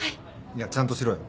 いやちゃんとしろよ。